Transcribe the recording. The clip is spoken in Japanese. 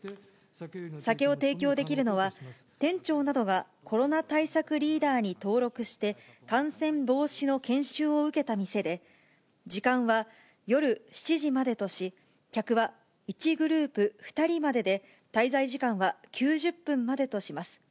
酒を提供できるのは、店長などがコロナ対策リーダーに登録して、感染防止の研修を受けた店で、時間は夜７時までとし、客は１グループ２人までで、滞在時間は９０分までとします。